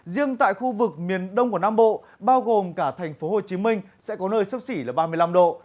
riêng tại khu vực miền đông của nam bộ bao gồm cả thành phố hồ chí minh sẽ có nơi sấp xỉ là ba mươi năm độ